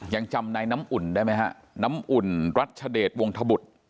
ยังจำนายน้ำอุ่นได้ไหมฮะน้ำอุ่นรัชเดชวงธบุตร